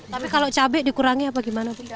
tapi kalau cabai dikurangi apa gimana bu